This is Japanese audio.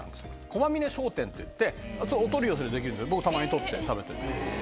駒嶺商店っていってお取り寄せできるんで僕たまに取って食べてる。